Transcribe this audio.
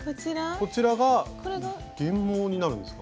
こちらが原毛になるんですか？